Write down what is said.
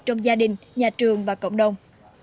trong gia đình nhà trường và cộng đồng